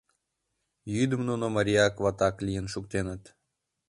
Йӱдым нуно марияк-ватак лийын шуктеныт.